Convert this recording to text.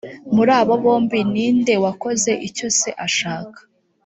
muri abo bombi ni nde wakoze icyo se ashaka